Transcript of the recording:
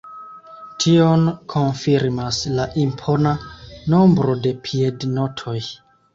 Tion konfirmas la impona nombro de piednotoj.